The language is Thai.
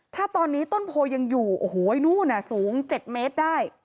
ถ้าตอนนี้ต้นโพยังอยู่โอ้โหไอ้นู้นสูง๗เมตรได้